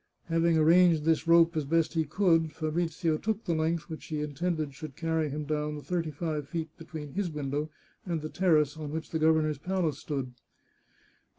Having arranged this rope as best he could, Fabrizio took the length which he intended should carry him down the thirty five feet between his window and the terrace on which the governor's palace stood.